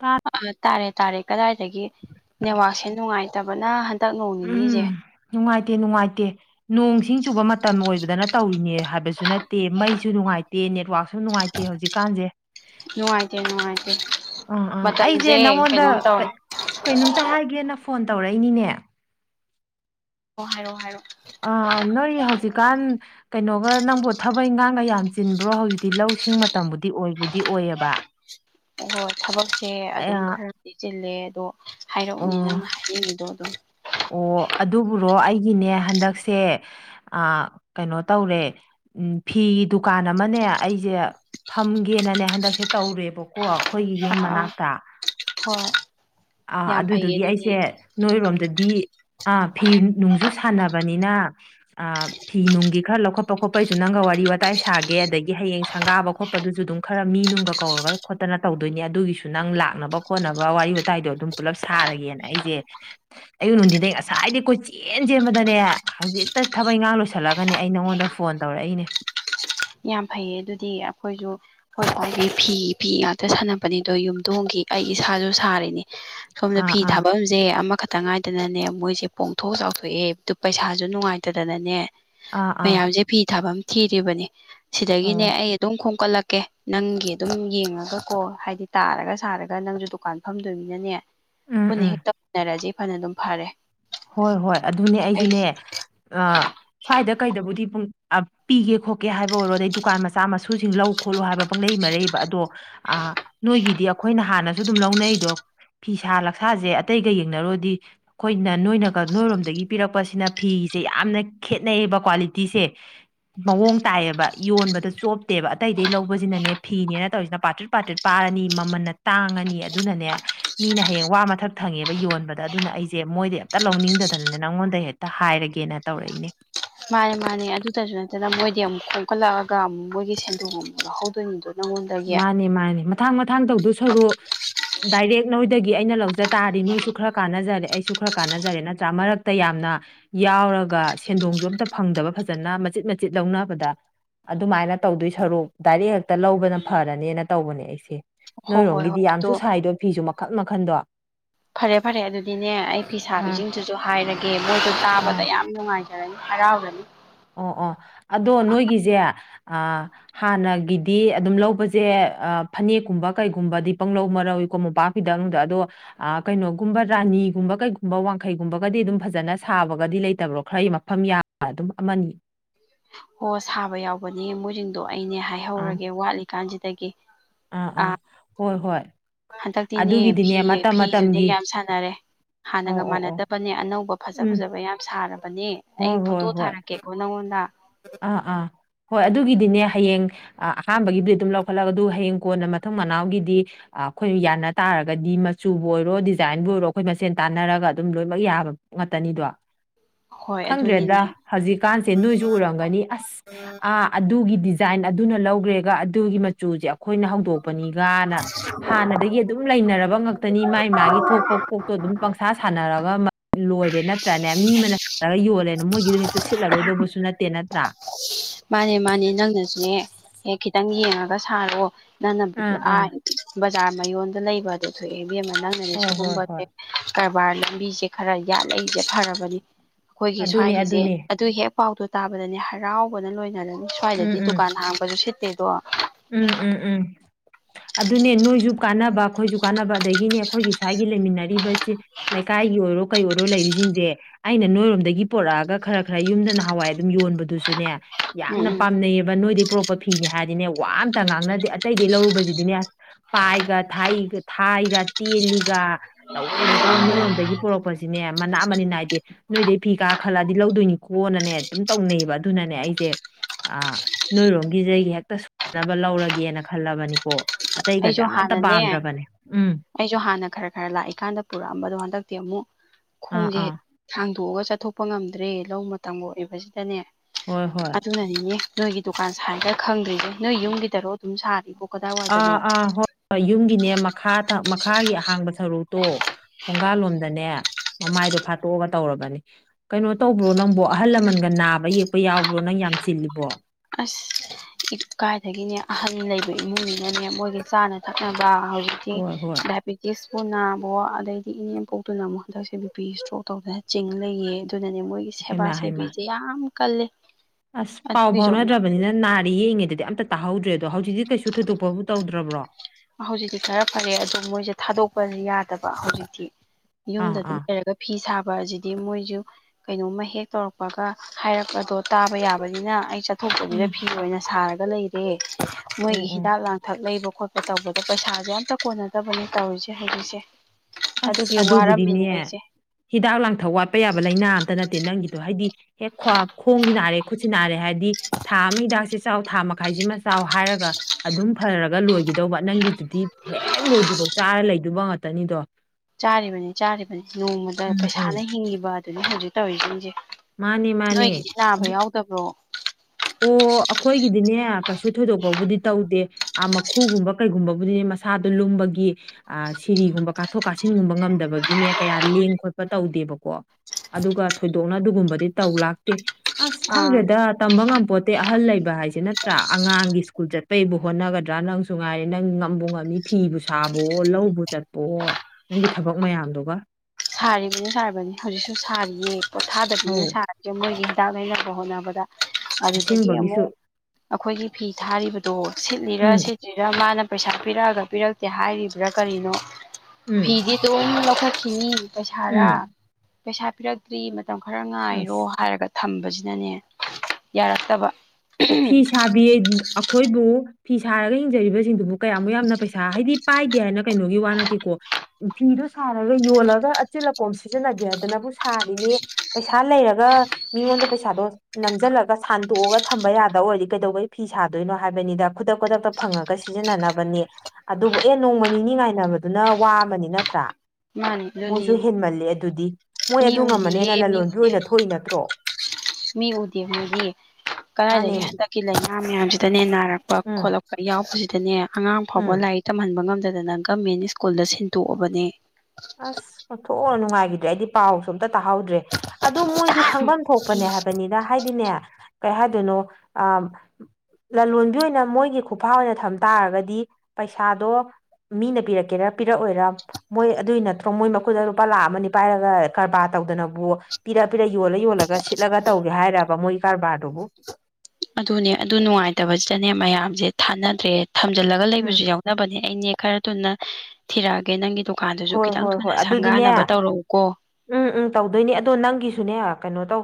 ꯀꯥꯠ ꯑ ꯇꯥꯔꯦ ꯇꯥꯔꯦ ꯀꯗꯥꯏꯗꯒꯤ ꯅꯦꯠꯋꯥꯛꯁꯦ ꯅꯨꯡꯉꯥꯏꯇꯕꯅ ꯍꯟꯗꯛ ꯅꯣꯡ ꯅꯤꯅꯤꯖꯦ ꯎꯝ ꯅꯨꯡꯉꯥꯏꯇꯦ ꯅꯨꯡꯉꯥꯏꯇꯦ ꯅꯣꯡ ꯁꯤꯡ ꯆꯨꯕ ꯃꯇꯝ ꯑꯣꯏꯕꯗꯅ ꯇꯧꯔꯤꯅꯦ ꯍꯥꯏꯕꯖꯨ ꯅꯠꯇꯦ ꯃꯩꯁꯨ ꯅꯨꯡꯉꯥꯏꯇꯦ ꯅꯦꯠꯋꯥꯥꯛꯁꯨ ꯅꯨꯡꯉꯥꯏ ꯇꯦ ꯍꯧꯖꯤꯛꯀꯥꯟꯖꯦ ꯅꯨꯡꯉꯥꯏꯇꯦ ꯅꯨꯡꯉꯥꯏꯇꯦ ꯑꯥ ꯑꯥ ꯑꯩꯖꯦ ꯃꯇꯝꯁꯦ ꯅꯪꯉꯣꯟꯗ ꯀꯩꯅꯣꯝ ꯀꯩ ꯇꯧꯔꯦ ꯀꯩꯅꯣꯝꯇ ꯍꯥꯏꯒꯦꯅ ꯐꯣꯟ ꯇꯧꯔꯛꯏꯅꯤꯅꯦ ꯑꯣ ꯍꯥꯏꯔꯛꯑꯣ ꯍꯥꯏꯔꯛꯑꯣ ꯑ ꯅꯣꯏ ꯍꯧꯖꯤꯛꯀꯥꯟ ꯀꯩꯅꯣꯒ ꯅꯪꯕꯨ ꯊꯕꯛ ꯏꯪꯈꯥꯡꯒ ꯌꯥꯝ ꯆꯤꯟꯕ꯭ꯔꯣ ꯍꯧꯖꯤꯛꯇꯤ ꯂꯧꯁꯤꯡ ꯃꯇꯝꯕꯨꯗꯤ ꯑꯣꯏꯕꯨꯗꯤ ꯑꯣꯏꯌꯦꯕ ꯑꯣ ꯊꯕꯛꯁꯦ ꯑꯗꯨꯝ ꯑꯣ ꯈꯔꯗꯤ ꯆꯤꯜꯂꯦ ꯑꯗꯣ ꯍꯥꯏꯔꯛꯎꯅꯤ ꯅꯪꯅ ꯍꯥꯏꯅꯤꯡꯉꯤꯗꯣ ꯑꯗꯨꯝ ꯑꯣ ꯑꯗꯨꯕꯨꯔꯣ ꯑꯩꯒꯤꯅꯦ ꯍꯟꯗꯛꯁꯦ ꯑ ꯀꯩꯅꯣ ꯇꯧꯔꯦ ꯎꯝ ꯐꯤꯒꯤ ꯗꯨꯀꯥꯟ ꯑꯃꯅꯦ ꯑꯩꯖꯦ ꯐꯝꯒꯦꯅꯅꯦ ꯍꯟꯗꯛꯁꯦ ꯇꯧꯔꯦꯕꯀꯣ ꯑꯩꯈꯣꯏꯒꯤ ꯌꯨꯝ ꯑꯥ ꯑꯥ ꯃꯅꯥꯛꯇ ꯍꯣꯏ ꯑꯥ ꯌꯥꯝ ꯐꯩꯌꯦ ꯑꯗꯨꯗꯨꯒꯤ ꯑꯗꯨꯗꯤ ꯑꯩꯁꯦ ꯅꯣꯏꯔꯣꯝꯗꯗꯤ ꯑꯥ ꯐꯤ ꯅꯨꯡꯖꯨ ꯁꯥꯟꯅꯕꯅꯤꯅ ꯑ ꯐꯤ ꯅꯨꯡꯒꯤ ꯈꯔ ꯂꯧꯈꯠꯄ ꯈꯣꯠꯄꯩꯁꯨ ꯅꯪꯒ ꯋꯥꯔꯤ ꯋꯥꯇꯥꯏ ꯁꯥꯒꯦ ꯑꯗꯒꯤ ꯍꯌꯦꯡ ꯁꯪꯒꯥꯕ ꯈꯣꯠꯄꯗꯨꯁꯨ ꯑꯗꯨꯝ ꯈꯔ ꯃꯤꯅꯨꯡꯒ ꯀꯧꯔꯒ ꯈꯣꯠꯇꯅ ꯇꯧꯗꯣꯏꯅꯤ ꯑꯗꯨꯒꯤꯁꯨ ꯅꯪ ꯂꯥꯛꯅꯕ ꯈꯣꯠꯅꯕ ꯋꯥꯔꯤ ꯋꯥ ꯇꯥꯏꯗꯣ ꯑꯗꯨꯝ ꯄꯨꯂꯞ ꯁꯥꯔꯒꯦꯅ ꯑꯩꯖꯦ ꯑꯌꯨꯛ ꯅꯨꯡꯗꯤꯟꯗꯩ ꯉꯁꯥꯏꯗꯤ ꯀꯣꯏ ꯆꯦ ꯏꯦꯟ ꯆꯦꯟꯕꯗꯅꯦ ꯍꯧꯖꯤꯛꯇ ꯊꯕꯛ ꯏꯪꯈꯥꯡ ꯂꯣꯏꯁꯜꯂꯒꯅꯦ ꯑꯩ ꯅꯉꯣꯟꯗ ꯐꯣꯟ ꯇꯧꯔꯛꯏꯅꯦ ꯌꯥꯝ ꯐꯩꯌꯦ ꯑꯗꯨꯗꯤ ꯑꯩꯈꯣꯏꯖꯨ ꯍꯣꯏ ꯁ꯭ꯋꯥꯏ ꯐꯒꯤ ꯐꯤ ꯐꯤ ꯉꯥꯛꯇ ꯁꯥꯟꯅꯕꯅꯤꯗꯣ ꯌꯨꯝꯗꯣꯡꯒꯤ ꯑꯩ ꯏꯁꯥꯖꯨ ꯁꯥꯔꯤꯅꯤ ꯁꯣꯝꯗ ꯑꯥ ꯐꯤ ꯑꯥ ꯊꯥꯕꯝ ꯖꯦ ꯑꯃꯈꯛꯇ ꯉꯥꯏꯗꯅꯅꯦ ꯃꯣꯏꯖꯦ ꯄꯣꯡꯊꯣꯛ ꯆꯥꯎꯊꯣꯛꯑꯦ ꯑꯗꯨ ꯄꯩꯁꯥꯁꯨ ꯅꯨꯡꯉꯥꯏꯇꯗꯅꯅꯦ ꯑꯥ ꯑꯥ ꯃꯌꯥꯝꯁꯦ ꯐꯤ ꯊꯥꯐꯝ ꯊꯤꯔꯤꯕꯅꯤ ꯁꯤꯗꯒꯤꯅꯦ ꯑꯣ ꯑꯩ ꯑꯗꯨꯝ ꯈꯣꯝꯀꯠꯂꯛꯀꯦ ꯅꯪꯒꯤ ꯑꯗꯨꯝ ꯌꯦꯡꯉꯒ ꯀꯣ ꯍꯥꯏꯗꯤ ꯇꯥꯔꯒ ꯁꯥꯔꯒ ꯅꯪꯖꯨ ꯗꯨꯀꯥꯟ ꯐꯝꯗꯣꯏꯅꯤꯅꯅꯦ ꯎꯝ ꯄꯨꯟꯅ ꯎꯝ ꯍꯦꯛ ꯇꯧꯃꯤꯟꯅꯔꯖꯤ ꯐꯅ ꯑꯗꯨꯝ ꯐꯔꯦ ꯍꯣꯏ ꯍꯣꯏ ꯑꯗꯨꯅꯦ ꯑꯩ ꯑꯩꯖꯨꯅꯦ ꯑ ꯁ꯭ꯋꯥꯏꯗ ꯀꯩꯗꯕꯨꯗꯤ ꯄꯨꯡ ꯑ ꯄꯤꯒꯦ ꯈꯣꯠꯀꯦ ꯍꯥꯏꯕ ꯑꯣꯏꯔꯣ ꯑꯗꯩ ꯗꯨꯀꯥꯟ ꯃꯆꯥ ꯃꯁꯨꯁꯤꯡ ꯂꯧ ꯈꯣꯠꯂꯨ ꯍꯥꯏꯕ ꯄꯪꯂꯩ ꯃꯔꯩꯕ ꯑꯗꯣ ꯑ ꯅꯣꯏꯒꯤꯗꯤ ꯑꯩꯈꯣꯏꯅ ꯍꯥꯟꯅ ꯗꯨꯗꯨꯝ ꯂꯧꯅꯩꯗꯣ ꯐꯤꯁꯥ ꯂꯛꯁꯥꯁꯦ ꯑꯇꯩꯒ ꯌꯦꯡꯅꯔꯨꯔꯗꯤ ꯑꯩꯈꯣꯏꯅ ꯅꯣꯏꯅꯒ ꯅꯣꯏꯔꯣꯝꯗꯒꯤ ꯄꯤꯔꯛꯄꯁꯤꯅ ꯐꯤꯁꯦ ꯌꯥꯝꯅ ꯈꯦꯠꯅꯩꯌꯦꯕ ꯀ꯭ꯋꯥꯂꯤꯇꯤꯁꯦ ꯃꯌꯣꯡ ꯇꯥꯏꯑꯕ ꯌꯣꯟꯕꯗ ꯆꯣꯞꯇꯦꯕ ꯑꯇꯩ ꯂꯧꯕꯁꯤꯅꯅꯦ ꯐꯤꯅꯦꯅ ꯇꯧꯔꯤꯁꯤꯅ ꯄꯥꯇ꯭ꯔꯤꯠ ꯄꯥꯇ꯭ꯔꯤꯠ ꯄꯥꯔꯅꯤ ꯃꯃꯟꯅ ꯇꯥꯡꯉꯅꯤ ꯑꯗꯨꯅꯅꯦ ꯃꯤꯅ ꯍꯌꯦꯡ ꯋꯥ ꯃꯊꯛ ꯊꯪꯉꯦꯕ ꯌꯣꯟꯕꯗ ꯑꯗꯨꯅ ꯑꯩꯁꯦ ꯃꯣꯏ [unintelligible] ꯍꯦꯛꯇ ꯂꯧꯅꯤꯡꯗꯗꯅꯅꯦ ꯅꯪꯉꯣꯟꯗ ꯍꯦꯛꯇ ꯍꯥꯏꯔꯒꯦꯅ ꯇꯧꯔꯛꯏꯅꯦ ꯃꯥꯅꯦ ꯃꯥꯅꯦ ꯑꯗꯨꯗꯁꯨ ꯅꯠꯇꯅ ꯃꯣꯏꯗꯤ ꯑꯃꯨꯛ ꯈꯣꯝꯀꯠꯂꯛꯑꯒ ꯑꯃꯨꯛ ꯃꯣꯏꯒꯤ ꯁꯦꯟꯗꯣꯡ ꯑꯃꯨꯛ ꯂꯧꯍꯧꯗꯣꯏꯅꯤꯗꯣ ꯅꯪꯉꯣꯟꯗꯒꯤ ꯃꯥꯅꯦ ꯃꯥꯅꯦ ꯃꯊꯥꯡ ꯃꯊꯥꯡ ꯇꯧꯗꯨ ꯁꯔꯨ ꯗꯥꯏꯔꯦꯛ ꯅꯣꯏꯗꯒꯤ ꯑꯩꯅ ꯂꯧꯖ ꯇꯥꯔꯗꯤ ꯅꯣꯏꯁꯨ ꯈꯔ ꯀꯥꯟꯅꯖꯔꯦ ꯑꯩꯁꯨ ꯈꯔ ꯀꯥꯟꯅꯖꯔꯦ ꯅꯠꯇ꯭ꯔꯥ ꯃꯔꯛꯇ ꯌꯥꯝꯅ ꯌꯥꯎꯔꯒ ꯁꯦꯟꯗꯣꯡꯁꯨ ꯑꯝꯇ ꯐꯪꯗꯕ ꯐꯖꯅ ꯃꯆꯤꯠ ꯃꯆꯤꯠ ꯂꯧꯅꯕꯗ ꯑꯗꯨꯃꯥꯏꯅ ꯇꯧꯗꯣꯏ ꯁꯔꯨꯛ ꯗꯥꯏꯔꯦꯛ ꯍꯦꯛꯇ ꯂꯧꯕꯅ ꯐꯔꯅꯦꯅ ꯇꯧꯕꯅꯦ ꯑꯩꯁꯦ ꯍꯣꯏ ꯍꯣꯏ ꯍꯣꯏ ꯅꯣꯏꯔꯣꯝꯒꯤꯗꯤ ꯑꯗꯣ ꯌꯥꯝꯁꯨ ꯁꯥꯏꯗꯣ ꯐꯤꯁꯨ ꯃꯈꯟ ꯃꯈꯟꯗꯣ ꯐꯔꯦ ꯐꯔꯦ ꯑꯗꯨꯗꯤꯅꯦ ꯑꯩ ꯐꯤ ꯑꯥ ꯁꯥꯕꯤꯁꯤꯡꯗꯨꯁꯨ ꯍꯥꯏꯔꯒꯦ ꯃꯣꯏꯗ ꯑꯥ ꯇꯥꯕꯗ ꯌꯥꯝ ꯅꯨꯡꯉꯥꯏꯖꯔꯅꯤ ꯍꯔꯥꯎꯔꯅꯤ ꯑꯣ ꯑꯣ ꯑꯗꯣ ꯅꯣꯏꯒꯤꯁꯦ ꯑ ꯍꯥꯟꯅꯒꯤꯗꯤ ꯑꯗꯨꯝ ꯂꯧꯕꯁꯦ ꯐꯅꯦꯛꯀꯨꯝꯕ ꯀꯩꯒꯨꯝꯕꯗꯤ ꯄꯪꯂꯧ ꯃꯔꯧꯏꯀꯣ ꯃꯣꯄꯥꯛ [unintelligible] ꯑꯗꯣ ꯑ ꯀꯩꯅꯣꯒꯨꯝꯕ ꯔꯥꯅꯤꯒꯨꯝꯕ ꯀꯩꯒꯨꯝꯕ ꯋꯥꯡꯈꯩꯒꯨꯝꯕꯒꯗꯤ ꯑꯗꯨꯝ ꯐꯖꯅ ꯁꯥꯕꯒꯗꯤ ꯂꯩꯇꯕ꯭ꯔꯣ ꯈꯔ ꯃꯐꯝ ꯌꯥ ꯑꯗꯨꯝ ꯑꯃꯅꯤ ꯍꯣ ꯁꯥꯕ ꯌꯥꯎꯕꯅꯦ ꯃꯣꯏꯁꯤꯡꯗꯣ ꯑꯩꯅꯦ ꯑꯥ ꯍꯥꯏꯍꯧꯔꯒꯦ ꯋꯥꯠꯂꯤꯀꯥꯟꯁꯤꯗꯒꯤ ꯑꯥ ꯑ ꯑꯥ ꯍꯣꯏ ꯍꯣꯏ ꯍꯟꯗꯛꯇꯤꯅꯦ ꯑꯗꯨꯒꯤꯗꯤꯅꯦ ꯐꯤ ꯃꯇꯝ ꯐꯤꯁꯨꯅꯦ ꯃꯇꯝꯒꯤ ꯌꯥꯝ ꯁꯥꯟꯅꯔꯦ ꯑꯣ ꯍꯥꯟꯅꯒ ꯑꯣ ꯑꯣ ꯃꯥꯟꯅꯗꯕ ꯅꯦ ꯑꯅꯧꯕ ꯐꯖ ꯎꯝ ꯐꯖꯕ ꯌꯥꯝ ꯁꯥꯔꯕꯅꯦ ꯑꯩ ꯍꯣꯏ ꯐꯣꯇꯣ ꯍꯣꯏ ꯍꯣꯏ ꯊꯥꯔꯛꯀꯦꯀꯣ ꯅꯪꯉꯣꯟꯗ ꯑꯥ ꯑꯥ ꯍꯣꯏ ꯑꯗꯨꯒꯤꯗꯤꯅꯦ ꯍꯌꯦꯡ ꯑꯥꯝꯕꯒꯤꯕꯨꯗꯤ ꯑꯗꯨꯝ ꯂꯧꯈꯠꯂꯒ ꯑꯗꯨꯒ ꯍꯌꯦꯡ ꯀꯣꯟꯅ ꯃꯊꯪ ꯃꯅꯥꯎꯒꯤꯗꯤ ꯑꯥ ꯑꯩꯈꯣꯏ ꯌꯥꯅ ꯇꯥꯔꯒꯗꯤ ꯃꯆꯨꯕꯨ ꯑꯣꯏꯔꯣ ꯗꯤꯖꯥꯏꯟꯕꯨ ꯑꯣꯏꯔꯣ ꯑꯩꯈꯣꯏ ꯃꯁꯦꯟ ꯇꯥꯟꯅꯔꯒ ꯑꯗꯨꯝ ꯂꯣꯏꯅꯃꯛ ꯌꯥꯕ ꯉꯥꯛꯇꯅꯤꯗꯣ [inaudible] ꯈꯪꯗ꯭ꯔꯦꯗ ꯑꯗꯨꯅꯤꯅꯦꯍꯦ ꯍꯧꯖꯤꯛꯀꯥꯟꯁꯦ ꯅꯣꯏꯁꯨ ꯎꯔꯝꯒꯅꯤ ꯑꯁ ꯑꯥ ꯑꯗꯨꯒꯤ ꯗꯤꯖꯥꯏꯟ ꯑꯗꯨꯅ ꯂꯧꯒ꯭ꯔꯦꯒ ꯑꯗꯨꯒꯤ ꯃꯆꯨꯁꯦ ꯑꯩꯈꯣꯏꯅ ꯍꯧꯗꯣꯛꯄꯅꯤꯒꯅ ꯍꯥꯟꯅꯗꯒꯤ ꯑꯗꯨꯝ ꯂꯩꯅꯔꯕ ꯉꯥꯛꯇꯅꯤ ꯃꯥꯒꯤ ꯃꯥꯒꯤ ꯊꯣꯛꯄ ꯀꯣꯛꯇꯣ ꯑꯗꯨꯝ ꯄꯪꯁꯥ ꯁꯥꯟꯅꯔꯒ ꯂꯣꯏꯔꯦ ꯅꯠꯇ꯭ꯔꯥꯅꯦ ꯃꯤ ꯑꯃꯅ [unintelligible] ꯌꯣꯜꯂꯦꯅ ꯃꯣꯏꯒꯤꯗꯨ ꯍꯦꯛꯇ ꯁꯤꯠꯂꯔꯣꯏꯗꯧꯕꯁꯨ ꯅꯠꯇꯦ ꯅꯠꯇ꯭ꯔꯥ ꯃꯥꯅꯦ ꯃꯥꯅꯦ ꯅꯪꯅꯁꯨꯅꯦ ꯍꯦꯛ ꯈꯤꯇꯪ ꯌꯦꯡꯉꯒ ꯁꯥꯔꯛꯑꯣ ꯅꯪ ꯑꯥ ꯑꯥ [unintelligible] ꯕꯖꯥꯔ ꯃꯌꯣꯟꯗ ꯂꯩꯕ ꯑꯗꯨ ꯊꯣꯛꯑꯦ ꯏꯕꯦꯝꯃ ꯅꯪꯅꯅꯦ ꯍꯣꯏ ꯍꯣꯏ ꯁꯤꯒꯨꯝꯕꯁꯦ ꯍꯣꯏ ꯀꯔꯕꯥꯔ ꯂꯝꯕꯤꯁꯦ ꯈꯔ ꯌꯥꯠꯂꯩꯁꯦ ꯐꯔꯕꯅꯤ ꯑꯩꯈꯣꯏꯒꯤ ꯑꯗꯨꯅꯦ ꯁ꯭ꯋꯥꯏꯒꯤꯁꯦ ꯑꯗꯨꯅꯦ ꯑꯗꯨ ꯍꯦꯛ ꯄꯥꯎꯗꯣ ꯇꯥꯕꯗꯅꯦ ꯍꯔꯥꯎꯕꯅ ꯂꯣꯏꯅꯔꯅꯤ ꯎꯝ ꯁ꯭ꯋꯥꯏꯗꯗꯤ ꯎꯝ ꯗꯨꯀꯥꯟ ꯍꯥꯡꯕꯁꯨ ꯁꯤꯠꯇꯦꯗꯣ ꯎꯝ ꯎꯝ ꯎꯝ ꯑꯗꯨꯅꯦ ꯅꯣꯏꯁꯨ ꯀꯥꯟꯅꯕ ꯑꯩꯈꯣꯏꯁꯨ ꯀꯥꯟꯅꯕ ꯑꯗꯒꯤꯅꯦ ꯑꯩꯈꯣꯏꯒꯤ ꯁ꯭ꯋꯥꯏꯒꯤ ꯂꯩꯃꯤꯟꯅꯔꯤꯕꯁꯤ ꯂꯩꯀꯥꯏꯒꯤ ꯑꯣꯏꯔꯣ ꯀꯩ ꯑꯣꯏꯔꯣ ꯂꯩꯔꯤꯁꯤꯡꯁꯦ ꯑꯩꯅ ꯅꯣꯏꯔꯣꯝꯗꯒꯤ ꯄꯣꯔꯛꯑꯒ ꯈꯔ ꯈꯔ ꯌꯨꯝꯗꯅ ꯍꯋꯥꯏ ꯑꯗꯨꯝ ꯌꯣꯟꯕꯗꯨꯁꯨꯅꯦ ꯎꯝ ꯌꯥꯝꯅ ꯎꯝ ꯄꯥꯝꯅꯩꯑꯕ ꯅꯣꯏꯗꯤ ꯄꯨꯔꯛꯄ ꯐꯤꯅꯤ ꯍꯥꯏꯔꯗꯤꯅꯦ ꯋꯥ ꯑꯝꯇ ꯉꯥꯡꯅꯗꯦ ꯑꯇꯩꯗꯒꯤ ꯂꯧꯔꯨꯕꯁꯤꯗꯤꯅꯦ ꯑꯁ ꯄꯥꯏꯒ ꯊꯥꯏꯒ ꯊꯥꯏꯒ ꯇꯦꯜꯂꯤꯒ ꯇꯧꯋꯦꯕꯀꯣ ꯅꯣꯏꯔꯣꯝꯗꯒꯤ ꯄꯨꯔꯛꯄꯁꯤꯅꯦ ꯃꯅꯥ ꯃꯅꯤ ꯅꯥꯏꯗꯦ ꯅꯣꯏꯗꯩ ꯐꯤ ꯀꯥ ꯈꯜꯂꯗꯤ ꯂꯧꯗꯣꯏꯅꯤꯀꯣꯅꯅꯦ ꯑꯗꯨꯝ ꯇꯧꯅꯩꯑꯕ ꯑꯗꯨꯅꯅꯦ ꯑꯩꯁꯦ ꯑ ꯅꯣꯏꯔꯣꯝꯒꯤꯖꯩꯒꯤ ꯍꯦꯛꯇ ꯅꯕ ꯂꯧꯔꯒꯦꯅ ꯈꯜꯂꯕꯅꯤꯀꯣ ꯑꯇꯩꯒꯁꯦ ꯑꯩꯁꯨ ꯑꯃꯠꯇ ꯍꯥꯟꯅꯅꯦ ꯄꯥꯝꯗ꯭ꯔꯕꯅꯦ ꯎꯝ ꯑꯩꯁꯨ ꯍꯥꯟꯅ ꯈꯔ ꯈꯔ ꯂꯥꯛꯏꯀꯥꯟꯗ ꯄꯨꯔꯛꯑꯝꯕꯗꯣ ꯍꯟꯗꯛꯇꯤ ꯑꯃꯨꯛ ꯑꯥ ꯈꯣꯡꯁꯦ ꯑꯥ ꯊꯥꯡꯗꯣꯛꯑꯒ ꯆꯠꯊꯣꯛꯄ ꯉꯝꯗ꯭ꯔꯦ ꯂꯧ ꯃꯇꯝꯒ ꯑꯣꯏꯕꯁꯤꯗꯅꯦ ꯍꯣꯏ ꯍꯣꯏ ꯑꯗꯨꯅꯅꯤꯅꯦ ꯅꯣꯏꯒꯤ ꯗꯨꯀꯥꯟ ꯁꯥꯏꯗ ꯈꯪꯗ꯭ꯔꯤꯅꯦ ꯅꯣꯏ ꯌꯨꯝꯒꯤꯗꯔꯣ ꯑꯗꯨꯝ ꯁꯥꯔꯤꯕꯔꯤꯕꯣ ꯑꯥ ꯀꯗꯥꯏꯋꯥꯏꯗꯅꯣ ꯑꯥ ꯍꯣꯏ ꯌꯨꯝꯒꯤꯅꯦ ꯃꯈꯥ ꯃꯈꯥꯒꯤ ꯑꯍꯥꯡꯕ ꯁꯔꯨꯛꯇꯣ ꯈꯣꯡꯒꯥ ꯂꯣꯝꯗꯅꯦ ꯃꯃꯥꯏꯗꯣ ꯐꯥꯠꯇꯣꯛꯑꯒ ꯇꯧꯔꯕꯅꯤ ꯀꯩꯅꯣ ꯇꯧꯕ꯭ꯔꯣ ꯅꯪꯕꯣ ꯑꯍꯜ ꯂꯃꯟꯒ ꯅꯥꯕ ꯌꯦꯛꯄ ꯌꯥꯎꯕ꯭ꯔꯣ ꯅꯪ ꯌꯥꯝ ꯆꯤꯜꯂꯤꯕꯣ ꯑꯁ [unintelligible] [inaudible] ꯀꯥꯏꯗꯒꯤꯅꯦ ꯑꯍꯟ ꯂꯩꯕ ꯏꯃꯨꯡꯅꯤꯅꯅꯦ ꯃꯣꯏꯒꯤ ꯆꯥꯅ ꯊꯛꯅꯕ ꯍꯧꯖꯤꯛ ꯍꯣꯏ ꯍꯣꯏ ꯄꯤ ꯌꯦꯁꯄꯨ ꯅꯥꯕꯣ ꯑꯗꯩꯗꯤ ꯏꯅꯦꯝꯄꯣꯛꯇꯨꯅ ꯑꯃꯨꯛ ꯍꯟꯗꯛꯁꯦ ꯕꯤꯄꯤꯤꯒꯤ ꯏꯁꯇ꯭ꯔꯣꯛ ꯇꯧꯗꯅ ꯆꯤꯡ ꯂꯩꯌꯦ ꯑꯗꯨꯅꯅꯦ ꯃꯣꯏꯒꯤ ꯁꯦꯕꯥ ꯍꯩꯃ ꯍꯩꯃ ꯁꯦꯕꯤꯁꯦ ꯌꯥꯝ ꯀꯜꯂꯦ ꯑꯁ ꯄꯥꯎ ꯑꯗꯨꯒꯤꯁꯨ ꯑꯅꯝꯕꯅꯤ ꯐꯥꯎꯅꯗ꯭ꯔꯕꯅꯤꯅ ꯅ ꯅꯥꯔꯦ ꯌꯦꯡꯉꯦꯗꯗꯤ ꯑꯝꯇ ꯇꯥꯍꯗ꯭ꯔꯦ ꯑꯗꯣ ꯍꯧꯖꯤꯛꯇꯤ ꯀꯩꯁꯨ ꯊꯣꯏꯗꯣꯛꯄꯕꯨꯥꯎ ꯇꯧꯗ꯭ꯔꯕ꯭ꯔꯣ ꯍꯧꯖꯤꯛꯇꯤ ꯈꯔ ꯐꯔꯦ ꯑꯗꯣ ꯃꯣꯏꯁꯦ ꯊꯥꯗꯣꯛꯄ ꯌꯥꯗꯕ ꯍꯧꯖꯤꯛꯇꯤ ꯌꯨꯝꯗ ꯑꯥ ꯑꯗꯨꯝ ꯑꯥ ꯂꯩꯔꯒ ꯐꯤ ꯁꯥꯕ ꯑꯁꯤꯗꯤ ꯃꯣꯏꯁꯨ ꯀꯩꯅꯣꯝꯃ ꯍꯦꯛ ꯇꯧꯔꯛꯄꯒ ꯍꯥꯏꯔꯛꯄꯗꯣ ꯇꯥꯕ ꯌꯥꯕꯅꯤꯅ ꯑꯩ ꯊꯣꯛꯄꯗꯨꯗ ꯎꯝ ꯐꯤ ꯑꯣꯏꯅ ꯁꯥꯔꯒ ꯂꯩꯔꯦ ꯑꯣ ꯃꯣꯏꯒꯤ ꯑꯣ ꯍꯤꯗꯥꯛ ꯂꯥꯡꯊꯛ ꯂꯩꯕ ꯈꯣꯠꯄ ꯇꯧꯕꯗ ꯄꯩꯁꯥꯁꯦ ꯑꯝꯇ ꯀꯣꯟꯅꯗꯕꯅꯦ ꯇꯧꯔꯤꯁꯦ ꯍꯧꯖꯤꯛꯁꯦ ꯑꯁ ꯑꯗꯨꯒꯤ ꯋꯥꯔꯝꯃꯤꯅꯦ ꯑꯗꯨꯕꯨꯗꯤꯅꯦ ꯑꯩꯁꯦ ꯍꯤꯗꯥꯛ ꯂꯥꯡꯊꯛ ꯋꯥꯠꯄ ꯌꯥꯕ ꯂꯥꯏꯅꯥ ꯑꯝꯇ ꯅꯠꯇꯦ ꯅꯪꯒꯤꯗꯣ ꯍꯥꯏꯗꯤ ꯍꯦꯛ꯭ ꯈꯣꯡꯁꯤ ꯅꯥꯔꯦ ꯈꯨꯠꯁꯤ ꯅꯥꯔꯦ ꯍꯥꯏꯕꯗꯤ ꯊꯥ ꯑꯃ ꯍꯤꯗꯥꯛꯁꯤ ꯆꯥꯎ ꯊꯥ ꯃꯈꯥꯏꯁꯤꯃ ꯆꯥꯎ ꯍꯥꯏꯔꯒ ꯑꯗꯨꯝ ꯐꯔꯒ ꯂꯣꯏꯈꯤꯗꯧꯕ ꯅꯪꯒꯤꯗꯨꯗꯤ ꯍꯦꯛ ꯂꯣꯏꯗ꯭ꯔꯤꯐꯥꯎ ꯆꯥꯔ ꯂꯩꯗꯕ ꯉꯥꯛꯇꯅꯤꯗꯣ ꯆꯥꯔꯤꯕꯅꯤ ꯆꯥꯔꯤꯕꯅꯤ ꯅꯣꯡꯃꯗ ꯎꯝ ꯎꯝ ꯄꯩꯁꯥꯅ ꯍꯤꯡꯉꯤꯕ ꯑꯗꯨꯅꯤ ꯍꯧꯖꯤꯛ ꯇꯧꯔꯤꯁꯤꯡꯁꯦ ꯃꯥꯅꯦ ꯃꯥꯅꯦ ꯅꯣꯏꯒꯤꯗꯤ ꯅꯥꯕ ꯑꯗꯨ ꯌꯥꯎꯗꯕ꯭ꯔꯣ ꯑꯣ ꯑꯩꯈꯣꯏꯒꯤꯗꯤꯅꯦ ꯀꯩꯁꯨ ꯊꯣꯏꯗꯣꯛꯄꯕꯨꯗꯤ ꯇꯧꯗꯦ ꯑ ꯃꯈꯨꯒꯨꯝꯕ ꯀꯩꯒꯨꯝꯕꯕꯨꯗꯤꯅꯦ ꯃꯁꯥꯗꯣ ꯂꯨꯝꯕꯒꯤ ꯑ ꯁꯤꯔꯤꯒꯨꯝꯕ ꯀꯥꯊꯣꯛ ꯀꯥꯁꯤꯟꯒꯨꯝꯕ ꯉꯝꯗꯕꯒꯤꯅꯦ ꯀꯌꯥ ꯂꯦꯡ ꯈꯣꯠꯄ ꯇꯧꯗꯦꯕꯀꯣ ꯑꯗꯨꯒ ꯊꯣꯏꯗꯣꯛꯅ ꯑꯗꯨꯒꯨꯝꯕꯗꯤ ꯇꯧ ꯂꯥꯛꯇꯦ ꯑꯁ ꯑꯥ ꯈꯪꯈ꯭ꯔꯦꯗ ꯇꯝꯕ ꯉ ꯄꯣꯠꯠꯇꯇꯩ ꯑꯍꯜ ꯂꯩꯕ ꯍꯥꯏꯁꯦ ꯅꯠꯇ꯭ꯔꯥ ꯑꯉꯥꯡꯒꯤ ꯁ꯭ꯀꯨꯜ ꯆꯠꯄꯩꯕꯨ ꯍꯣꯠꯅꯒꯗ꯭ꯔꯥ ꯅꯪꯁꯨ ꯉꯥꯏꯔꯦ ꯅꯪ ꯉꯝꯝꯕ ꯉꯝꯃꯤ ꯐꯤꯕꯨ ꯁꯥꯕꯣ ꯂꯧꯕ ꯆꯠꯄꯣ ꯅꯪꯒꯤ ꯊꯕꯛ ꯃꯌꯥꯝꯗꯨꯒ ꯁꯥꯔꯤꯕꯅꯤꯅ ꯁꯥꯔꯤꯕꯅꯤ ꯍꯧꯖꯤꯛꯁꯨ ꯁꯥꯔꯤ ꯌꯦꯡ ꯄꯣꯊꯥꯗꯕꯅꯤꯅ ꯑꯧ ꯁꯥꯔꯤꯁ ꯃꯣꯏꯒꯤ ꯍꯤꯗꯥꯛ ꯂꯩꯅꯕ ꯍꯣꯠꯅꯕꯗ ꯑꯗꯨꯗꯒꯤ ꯑꯁꯦꯡꯕꯒꯤꯁꯨ ꯑꯃꯨꯛ ꯑꯩꯈꯣꯏꯒꯤ ꯐꯤ ꯊꯥꯔꯤꯕꯗꯣ ꯁꯤꯠꯂꯤꯔ ꯎꯝ ꯁꯤꯔ ꯃꯥꯅ ꯄꯩꯁꯥ ꯄꯤꯔꯛꯑꯒ ꯄꯤꯔꯛꯇꯦ ꯍꯥꯏꯔꯤꯕ꯭ꯔꯥ ꯀꯔꯤꯅꯣ ꯎꯝ ꯐꯤꯗꯤ ꯑꯣꯝꯅ ꯂꯧꯈꯠꯈꯤꯅꯤ ꯄꯩꯁꯥꯔꯥ ꯎꯝ ꯄꯩꯁꯥ ꯄꯤꯔꯛꯇ꯭ꯔꯤ ꯃꯇꯝ ꯈꯔ ꯉꯥꯏꯔꯣ ꯑꯁ ꯍꯥꯏꯔꯒ ꯊꯝꯕꯁꯤꯅꯅꯦ ꯌꯥꯔꯛꯇꯕ ꯐꯤ ꯁꯥꯕꯤ ꯑꯩꯈꯣꯏꯕꯨ ꯐꯤ ꯁꯥꯔꯒ ꯍꯤꯡꯖꯔꯤꯕꯁꯤꯡꯗꯨꯕꯨ ꯀꯌꯥꯃꯨꯛ ꯌꯥꯝꯅ ꯄꯩꯁꯥ ꯍꯥꯏꯗꯤ ꯄꯥꯏꯗꯦ ꯍꯥꯏꯅ ꯀꯩꯅꯣꯒꯤ ꯋꯥ ꯅꯠꯇꯦꯀꯣ ꯐꯤꯗꯨ ꯁꯥꯔꯒ ꯌꯣꯜꯂꯒ ꯑꯆꯤꯜ ꯑꯀꯣꯝ ꯁꯤꯖꯤꯟꯅꯒꯦꯗꯅꯕꯨ ꯁꯥꯔꯤꯅꯦ ꯄꯩꯁꯥ ꯂꯩꯔꯒ ꯃꯤꯉꯣꯟꯗ ꯄꯩꯁꯥꯗꯣ ꯅꯝꯁꯤꯜꯂꯒ ꯁꯥꯟꯇꯣꯛꯑꯒ ꯊꯝꯕ ꯌꯥꯗ ꯑꯗ ꯑꯣꯏꯔꯗꯤ ꯀꯩꯗꯧꯕꯩ ꯐꯤ ꯁꯥꯗꯣꯏꯅꯣ ꯍꯥꯏꯕꯅꯤꯗ ꯈꯨꯗꯛ ꯈꯨꯗꯛꯇ ꯐꯪꯉꯒ ꯁꯤꯖꯤꯟꯅꯅꯕꯅꯦ ꯑꯗꯨꯕꯨ ꯑꯦ ꯅꯣꯡꯃ ꯅꯤꯅꯤ ꯉꯥꯏꯅꯕꯗꯨꯅ ꯋꯥꯃꯅꯤ ꯅꯠꯇ꯭ꯔꯥ ꯃꯥꯅꯤ ꯑꯗꯨꯅꯤ ꯃꯣꯏꯁꯨ ꯍꯦꯟꯃꯜꯂꯦ ꯑꯗꯨꯗꯤ ꯃꯣꯏ ꯃꯤ ꯑꯗꯨ ꯎꯗꯤꯌꯦ ꯉꯝꯃꯅꯤꯅ ꯃꯤ ꯂꯂꯣꯟꯕꯤ ꯎꯗꯦ ꯑꯣꯏꯅ ꯊꯣꯛꯏ ꯅꯠꯇ꯭ꯔꯣ ꯃꯤ ꯎꯗꯤ ꯃꯗꯤ ꯃꯥꯅꯦ ꯀꯗꯥꯏꯗꯒꯤ ꯍꯟꯗꯛꯀꯤ ꯂꯥꯏꯅꯥ ꯃꯌꯥꯝꯁꯤꯗꯅꯦ ꯅꯥꯔꯛꯄ ꯎꯝ ꯈꯣꯠꯂꯛꯄ ꯌꯥꯎꯕꯁꯤꯗꯅꯦ ꯑꯉꯥꯡ ꯐꯥꯎꯕ ꯎꯝ ꯂꯥꯏꯔꯤꯛ ꯇꯝꯍꯟꯕ ꯉꯝꯗꯗꯅ ꯒꯃꯦꯟ ꯁ꯭ꯀꯨꯜꯗ ꯁꯤꯟꯇꯣꯛꯑꯕꯅꯦ ꯑꯁ ꯄꯊꯣꯛꯅ ꯅꯨꯡꯉꯥꯏꯈꯤꯗ꯭ꯔꯦ ꯑꯩꯗꯤ ꯄꯥꯎꯁꯨ ꯑꯝꯇ ꯇꯥꯍꯧꯗ꯭ꯔꯦ ꯑꯣ ꯃꯣꯏꯁꯨ ꯈꯪꯐꯝ ꯊꯣꯛꯄꯅꯦ ꯍꯥꯏꯕꯅꯤꯅ ꯅ ꯍꯥꯏꯗꯤꯅꯦ ꯀꯩ ꯍꯥꯏꯗꯣꯏꯅꯣ ꯑ ꯂꯂꯣꯟꯕꯤ ꯑꯣꯏꯅ ꯃꯣꯏꯒꯤ ꯈꯨꯐꯥ ꯑꯣꯏꯅ ꯊꯝꯕ ꯇꯥꯔꯒꯗꯤ ꯄꯩꯁꯥꯗꯣ ꯃꯤꯅ ꯄꯤꯔꯛꯀꯦꯔꯥ ꯄꯤꯔꯛꯑꯣꯏꯔ ꯃꯣꯏ ꯑꯗꯨꯏ ꯅꯠꯇ꯭ꯔꯣ ꯃꯣꯏ ꯃꯈꯨꯗ ꯂꯨꯄꯥ ꯂꯥ ꯑꯃꯅꯤ ꯄꯥꯏꯔꯒ ꯀꯔꯕꯥꯔ ꯇꯧꯗꯅꯕꯨ ꯄꯤꯔꯛ ꯄꯤꯔꯛ ꯌꯣꯜꯂ ꯌꯣꯜꯂꯒ ꯁꯤꯠꯂꯒ ꯇꯧꯒꯦ ꯍꯥꯏꯔꯔꯕ ꯃꯣꯏꯒꯤ ꯀꯔꯕꯥꯔꯗꯨꯕꯨ ꯑꯗꯨꯅꯦ ꯑꯗꯨ ꯅꯨꯡꯉꯥꯏꯇꯕꯁꯤꯗꯅꯦ ꯃꯌꯥꯝꯁꯦ ꯊꯥꯅꯗ꯭ꯔꯦ ꯊꯝꯖꯤꯜꯂꯒ ꯎꯝ ꯂꯩꯕꯁꯨ ꯌꯥꯎꯅꯕꯅꯦ ꯑꯩꯅꯦ ꯈꯔ ꯊꯨꯅ ꯊꯤꯔꯛꯑꯒꯦ ꯅꯪꯒꯤ ꯗꯨꯀꯥꯟꯗꯨꯁꯨ ꯍꯣꯏ ꯈꯤꯇꯪ ꯍꯣꯏ ꯊꯨꯅ ꯍꯣꯏ ꯑꯗꯨꯗꯤꯅꯦ ꯁꯪꯒꯥꯅꯕ ꯇꯧꯔꯛꯎꯀꯣ ꯎꯝ ꯎꯝ ꯇꯧꯗꯣꯏꯅꯦ ꯑꯗꯣ ꯅꯪꯒꯤꯁꯨꯅꯦ ꯀꯩꯅꯣ ꯇꯧ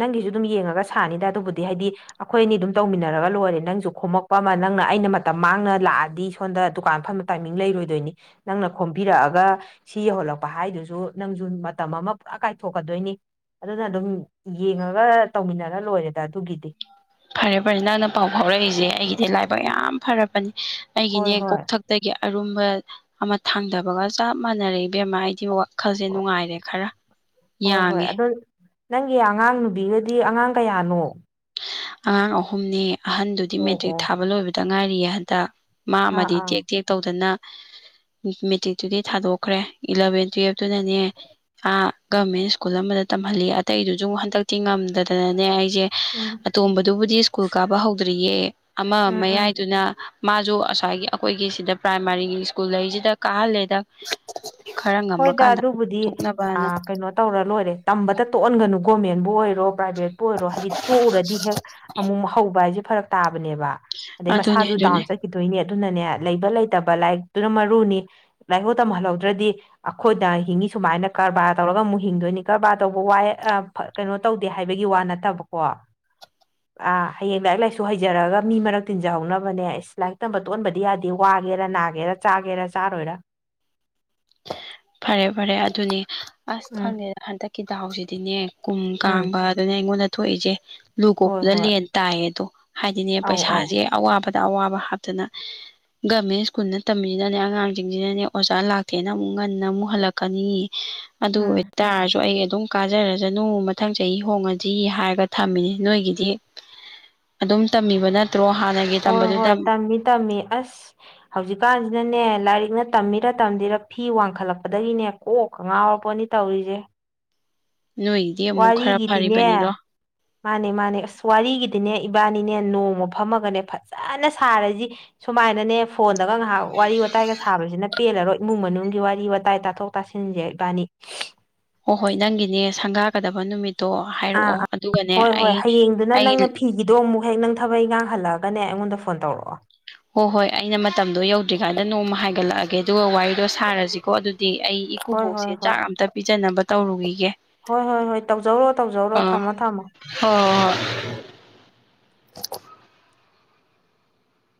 ꯅꯪꯒꯤꯁꯨ ꯑꯗꯨꯝ ꯌꯦꯡꯉꯒ ꯁꯥꯅꯤꯗ ꯑꯗꯨꯕꯨꯗꯤ ꯍꯥꯏꯗꯤ ꯑꯩꯈꯣꯏ ꯑꯅꯤ ꯑꯗꯨꯝ ꯇꯧꯃꯤꯟꯅꯔꯒ ꯂꯣꯏꯔꯦ ꯅꯪꯁꯨ ꯈꯣꯝꯃꯛꯄ ꯑꯃ ꯅꯪꯅ ꯑꯩꯅ ꯃꯇꯝ ꯃꯥꯡꯅ ꯂꯥꯛꯑꯗꯤ ꯁꯣꯝꯗ ꯗꯨꯀꯥꯟ ꯐ ꯇꯥꯏ ꯂꯩꯔꯣꯏꯗꯣꯏꯅꯤ ꯅꯪꯅ ꯈꯣꯝꯕꯤꯔꯛꯑꯒ ꯁꯤ ꯌꯧꯍꯜꯂꯛꯄ ꯍꯥꯏꯗꯨꯁꯨ ꯅꯪꯁꯨ ꯃꯇꯝ ꯑꯃ ꯄꯨꯔꯥ ꯀꯥꯏꯊꯣꯛꯀꯗꯣꯏꯅꯤ ꯑꯗꯨꯅ ꯑꯗꯨꯝ ꯌꯦꯡꯉꯒ ꯇꯧꯃꯤꯟꯅꯔ ꯂꯣꯏꯔꯦꯗ ꯑꯗꯨꯒꯤꯗꯤ ꯐꯔꯦ ꯐꯔꯦ ꯅꯪꯅ ꯄꯥꯎ ꯐꯥꯎꯔꯛꯏꯁꯦ ꯑꯩꯒꯤꯗꯤ ꯂꯥꯏꯕꯛ ꯌꯥꯝ ꯐꯔꯕꯅꯦ ꯍꯣꯏ ꯑꯩꯒꯤꯅꯦ ꯍꯣꯏ ꯀꯣꯛꯊꯛ ꯑꯗꯒꯤ ꯑꯔꯨꯝꯕ ꯑꯃ ꯊꯥꯡꯗꯕꯒ ꯆꯞ ꯃꯥꯟꯅꯔ ꯏꯕ ꯑꯃ ꯍꯥꯏꯗꯤ ꯍꯣꯏ ꯍꯣꯏ ꯍꯣꯏ ꯌꯥꯡꯉꯦ ꯑꯗꯨꯗꯣ ꯅꯪꯒꯤ ꯑꯉꯥꯡ ꯅꯨꯕꯤꯒꯗꯤ ꯑꯉꯥꯡ ꯀꯌꯥꯅꯣ ꯑꯉꯥꯡ ꯑꯍꯨꯝꯅꯤ ꯑꯍꯟꯗꯨꯗꯤ ꯑꯣ ꯃꯦꯇ꯭ꯔꯤꯛ ꯑꯣ ꯊꯥꯕ ꯂꯣꯏꯕꯗ ꯉꯥꯏꯔꯤꯌꯦ ꯍꯟꯗꯛ ꯃꯥ ꯑꯥ ꯑꯃꯗꯤ ꯑꯥ ꯇꯦꯛ ꯇꯦꯛ ꯇꯧꯗꯅ ꯃꯦꯇ꯭ꯔꯤꯛꯇꯨꯗꯤ ꯊꯥꯗꯣꯛꯈ꯭ꯔꯦ ꯏꯂꯚꯦꯟ ꯇꯨꯋꯜꯐꯇꯨꯅꯅꯦ ꯑ ꯒꯚꯔꯃꯦꯟ ꯁ꯭ꯀꯨꯜ ꯑꯃꯗ ꯇꯝꯍꯜꯂꯤ ꯑꯇꯩꯗꯨꯁꯨ ꯑꯃꯨꯛ ꯍꯟꯗꯛꯇꯤ ꯉꯝꯗꯗꯅꯅꯦ ꯑꯩꯁꯦ ꯎꯝ ꯇꯣꯝꯕꯗꯨꯕꯨꯗꯤ ꯁ꯭ꯀꯨꯜ ꯀꯥꯕ ꯍꯧꯗ꯭ꯔꯤꯌꯦ ꯑꯃ ꯎꯝ ꯎꯝ ꯃꯌꯥꯏꯗꯨꯅ ꯃꯥꯁꯨ ꯉꯁꯥꯏꯒꯤ ꯑꯩꯈꯣꯏꯒꯤ ꯁꯤꯗ ꯄ꯭ꯔꯥꯏꯃꯥꯔꯤꯒꯤ ꯁ꯭ꯀꯨꯜ ꯂꯩꯁꯤꯗ ꯀꯥꯍꯜꯂꯦꯗ ꯈꯔ ꯍꯣꯏꯗ ꯉꯝꯃꯀꯥꯟꯗ ꯑꯗꯨꯕꯨꯗꯤ ꯊꯣꯛꯅꯕꯅ ꯀꯩꯅꯣ ꯇꯧꯔ ꯂꯣꯏꯔꯦ ꯇꯝꯕꯇ ꯇꯣꯛꯍꯟꯒꯅꯨ ꯒꯣꯔꯃꯦꯟꯕꯨ ꯑꯣꯏꯔꯣ ꯄ꯭ꯔꯥꯏꯚꯦꯠꯄꯨ ꯑꯣꯏꯔꯣ ꯍꯥꯏꯗꯤ ꯇꯣꯛꯎꯔꯗꯤ ꯍꯦꯛ ꯑꯃꯨꯛ ꯍꯧꯕ ꯍꯥꯏꯁꯦ ꯐꯔꯛ ꯇꯥꯕꯅꯦꯕ ꯑꯗꯩ ꯑꯗꯨꯅꯦ ꯃꯁꯥꯁꯨ ꯗꯥꯎꯟ ꯑꯗꯨꯅꯦ ꯆꯠ ꯀꯈꯤꯗꯣꯏꯅꯦ ꯑꯗꯨꯅꯅꯦ ꯂꯩꯕ ꯂꯩꯇꯕ ꯂꯥꯏꯔꯤꯛꯇꯨꯅ ꯃꯔꯨꯅꯤ ꯂꯥꯏꯑꯣꯧ ꯇꯝꯍꯜꯍꯧꯗ꯭ꯔꯗꯤ ꯑꯩꯈꯣꯏꯗ ꯍꯤꯡꯉꯤ ꯁꯨꯃꯥꯏꯅ ꯀꯔꯕꯥꯔ ꯇꯧꯔꯒ ꯑꯃꯨꯛ ꯍꯤꯡꯗꯣꯏꯅꯤ ꯀꯔꯕꯥꯔ ꯇꯧꯕ ꯋꯥꯏ ꯀꯩꯅꯣ ꯇꯧꯗꯦ ꯍꯥꯏꯕꯒꯤ ꯋꯥ ꯅꯠꯇꯕꯀꯣ [unintelligible] ꯑ ꯍꯌꯦꯡ ꯂꯥꯏꯔꯤꯛ ꯂꯥꯏꯁꯨ ꯍꯩꯖꯔꯒ ꯃꯤ ꯃꯔꯛ ꯇꯤꯟꯖꯍꯧꯅꯕꯅꯦ ꯑꯁ ꯂꯥꯏꯔꯤꯛ ꯇꯝꯕ ꯇꯣꯛꯍꯕꯗꯤ ꯌꯥꯗꯦ ꯋꯥꯒꯦꯔ ꯅꯥꯒꯦꯔ ꯆꯥꯒꯦꯔꯥ ꯆꯥꯔꯣꯏꯔ ꯐꯔꯦ ꯐꯔꯦ ꯑꯗꯨꯅꯦ ꯑꯁ ꯎꯝ ꯈꯪꯗꯦꯗ ꯍꯟꯗꯛꯀꯤ ꯗꯥꯍꯥꯎꯁꯤꯗꯤꯅꯦ ꯀꯨꯝ ꯎꯝ ꯀꯥꯡꯕ ꯑꯗꯨꯅ ꯑꯩꯉꯣꯟꯗ ꯊꯣꯛꯏꯁꯦ ꯂꯨ ꯍꯣꯏ ꯀꯣꯛꯄꯗ ꯍꯣꯏ ꯂꯦꯟ ꯇꯥꯏꯌꯦ ꯑꯗꯣ ꯍꯥꯏꯗꯤꯅꯦ ꯑꯧ ꯑꯧ ꯄꯩꯁꯥꯁꯦ ꯑꯋꯥꯕꯗ ꯑꯋꯥꯕ ꯍꯥꯞꯇꯅ ꯒꯃꯦꯟ ꯁ꯭ꯀꯨꯜꯅ ꯇꯝꯃꯤꯁꯤꯅꯅꯦ ꯑꯉꯥꯡꯁꯤꯡꯁꯤꯅꯅꯦ ꯑꯣꯖꯥ ꯂꯥꯛ ꯊꯦꯅ ꯑꯃꯨꯛ ꯉꯟꯅ ꯑꯃꯨꯛ ꯍꯜꯂꯛꯀꯅꯤ ꯑꯗꯨ ꯎꯝ ꯑꯣꯏ ꯇꯥꯔꯁꯨ ꯑꯩ ꯑꯗꯨꯝ ꯀꯥꯖꯔꯁꯅꯨ ꯃꯊꯪ ꯆꯍꯤ ꯍꯣꯡꯉꯁꯤ ꯍꯥꯏꯔꯒ ꯊꯝꯃꯤꯅꯤ ꯅꯣꯏꯒꯤꯗꯤ ꯑꯗꯨꯝ ꯇꯝꯕꯤꯕ ꯅꯠꯇ꯭ꯔꯣ ꯍꯥꯟꯅꯒꯤ ꯍꯣꯏ ꯇꯝꯕꯗꯨꯗ ꯍꯣꯏ ꯇꯝꯃꯤ ꯇꯝꯃꯤ ꯑꯁ ꯍꯧꯖꯤꯛꯀꯥꯟꯁꯤꯅꯅꯦ ꯂꯥꯏꯔꯤꯛꯅ ꯇꯝꯃꯤꯔ ꯇꯝꯗꯤꯔ ꯐꯤ ꯋꯥꯡꯈꯠꯂꯛꯄꯗꯒꯤꯅꯦ ꯑꯣ ꯉꯥꯎꯔꯛꯄꯅꯤ ꯇꯧꯔꯤꯁꯦ ꯅꯣꯏ ꯋꯥꯔꯤꯒꯤꯗꯤꯅꯦ ꯃꯥꯅꯦ ꯃꯥꯅꯦ ꯑꯁ ꯋꯥꯔꯤꯒꯤꯗꯤꯅꯦ ꯏꯕꯥꯅꯤꯅꯦ ꯅꯣꯡꯃ ꯐꯝꯃꯒꯅꯦ ꯐꯖꯅ ꯁꯥꯔꯁꯤ ꯁꯨꯃꯥꯏꯅꯅꯦ ꯐꯣꯟꯗꯒ ꯉꯥꯏꯍꯥꯛ ꯋꯥꯔꯤ ꯋꯥꯇꯥꯏꯒ ꯁꯥꯕꯁꯤꯅ ꯄꯦꯜꯂꯔꯣꯏ ꯏꯃꯨꯡ ꯃꯅꯨꯡꯒꯤ ꯋꯥꯔꯤ ꯋꯥꯇꯥꯏ ꯇꯥꯊꯣꯛ ꯄꯁꯤꯅꯤꯖꯦꯕꯥꯅꯤ ꯍꯣꯏ ꯍꯣꯏ ꯅꯪꯒꯤꯅꯦ ꯁꯪꯒꯥꯒꯗꯕ ꯅꯨꯃꯤꯠꯇꯣ ꯑꯥ ꯍꯥꯏꯔꯛꯑꯣ ꯑꯥ ꯑꯗꯨꯒꯅꯦ ꯑꯩ ꯑꯩ ꯑꯗꯣ ꯑꯃꯨꯛ ꯍꯦꯛ ꯅꯪ ꯊꯕꯛ ꯏ ꯉꯥꯡ ꯍꯜꯂꯛꯑꯒꯅꯦ ꯑꯩꯉꯣꯟꯗ ꯐꯣꯟ ꯇꯧꯔꯛꯑꯣ ꯍꯣꯏ ꯍꯣꯏ ꯑꯩꯅ ꯃꯇꯝꯗꯣ ꯌꯧꯗ꯭ꯔꯤꯀꯥꯟꯗ ꯅꯣꯡꯃ ꯍꯥꯏꯒꯠꯂꯛꯑꯒꯦ ꯑꯗꯨꯒ ꯋꯥꯔꯤꯗꯣ ꯁꯥꯔꯁꯤꯀꯣ ꯑꯗꯨꯗꯤ ꯑꯩ ꯏ ꯍꯣꯏ ꯈꯨꯕꯣꯛꯁꯦ ꯍꯣꯏ ꯍꯣꯏ ꯆꯥꯛ ꯑꯝꯇ ꯄꯤꯖꯅꯕ ꯇꯧꯔꯨꯈꯤꯒꯦ ꯍꯣꯏ ꯍꯣꯏ ꯍꯣꯏ ꯇꯧꯖꯧꯔꯣ ꯇꯧꯖꯧꯔꯣ ꯑꯥ ꯊꯝꯃꯣ ꯊꯝꯃꯣ ꯍꯣꯏ ꯍꯣꯏ